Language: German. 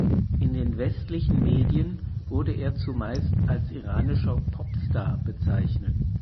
In den westlichen Medien wurde er zumeist als iranischer Popstar bezeichnet.